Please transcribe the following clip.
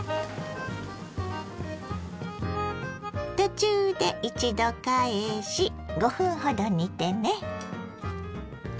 途中で一度返し５分ほど煮てね。